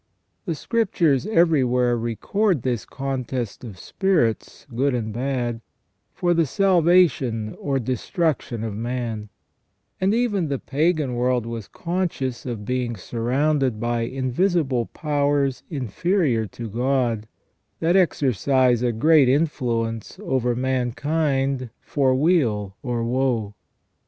The Scriptures everywhere record this contest of spirits good and bad for the salvation or destruction of man ; and even the pagan world was conscious of being surrounded by invisible powers inferior to God, that exercise a great influence over man kind for weal or woe.